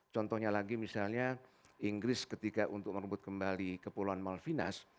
contohnya lagi misalnya inggris ketika untuk merebut kembali kepulauan malvinas